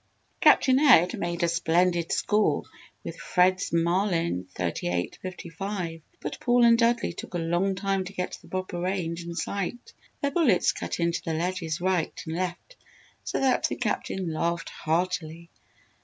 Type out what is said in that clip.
Captain Ed made a splendid score with Fred's Marlin 38 55 but Paul and Dudley took a long time to get the proper range and sight. Their bullets cut into the ledges right and left so that the Captain laughed heartily.